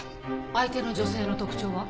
相手の女性の特徴は？